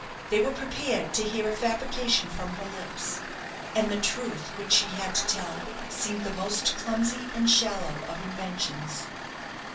They were prepared to hear a fabrication from her lips; and the truth which she had to tell seemed the most clumsy and shallow of inventions.